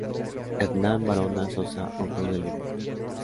Hernán Barona Sosa, autor del Himno.